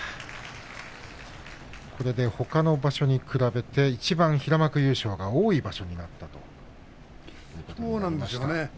これでほかの場所に比べていちばん平幕優勝が多い場所になったということにそうなんだよね。